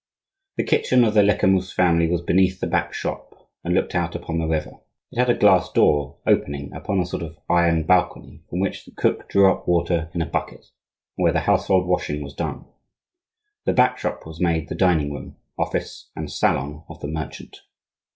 The kitchen of the Lecamus family was beneath the back shop and looked out upon the river. It had a glass door opening upon a sort of iron balcony, from which the cook drew up water in a bucket, and where the household washing was done. The back shop was made the dining room, office, and salon of the merchant.